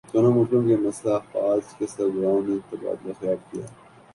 دونوں ملکوں کی مسلح افواج کے سربراہوں نے تبادلہ خیال کیا ہے